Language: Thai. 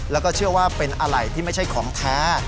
แล้วก็เชื่อว่าเป็นอะไรที่ไม่ใช่ของแท้